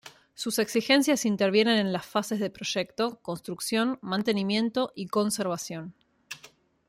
Sus exigencias intervienen en las fases de proyecto, construcción, mantenimiento y conservación.